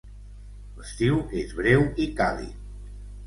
L'estiu és breu i càlid.